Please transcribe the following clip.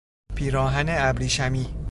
پیراهن ابریشمی